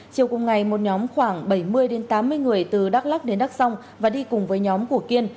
chiều cùng ngày một nhóm khoảng bảy mươi tám mươi người từ đắk lắc đến đắk xong và đi cùng với nhóm của kiên